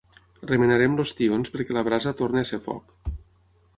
Remenarem els tions perquè la brasa torni a ser foc.